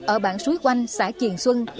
ở bảng suối quanh xã triền xuân